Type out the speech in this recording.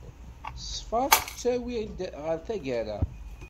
Ṣṣfa tettawi-d ɣer tagara.